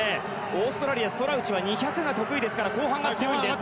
オーストラリア、ストラウチは２００ｍが得意ですから後半が強いんです。